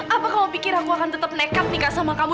apa kamu pikir aku akan tetap nekat nikah sama kamu